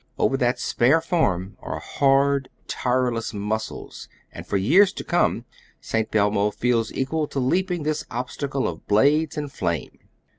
Over that spare form are hard, tireless muscles, and for years to come St. Belmo feels equal to leaping this obstacle of blades and flame.